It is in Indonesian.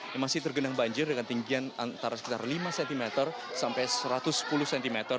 yang masih tergenang banjir dengan tinggian antara sekitar lima cm sampai satu ratus sepuluh cm